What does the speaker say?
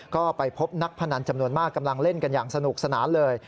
ก็ไปพบนักพนันจำนวนมากกำลังเล่นกันอย่างสนุกสนานเลย